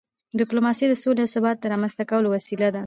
ډیپلوماسي د سولې او ثبات د رامنځته کولو وسیله ده.